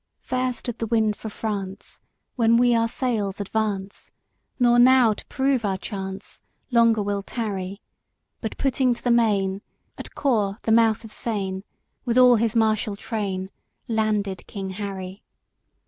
I. Fair stood the wind for France When we our sails advance, Nor now to prove our chance Longer will tarry; But putting to the main At Caux, the mouth of Seine, With all his martial train, Landed King Harry.